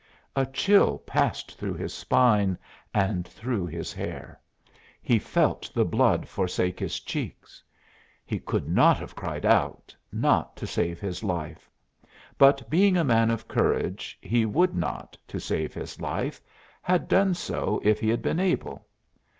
A chill passed along his spine and through his hair; he felt the blood forsake his cheeks. He could not have cried out not to save his life; but being a man of courage he would not, to save his life, have done so if he had been able.